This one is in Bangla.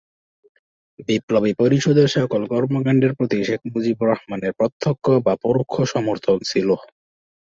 বিপ্লবী পরিষদের সকল কর্মকাণ্ডের প্রতি শেখ মুজিবুর রহমানের প্রত্যক্ষ বা পরোক্ষ সমর্থন ছিল।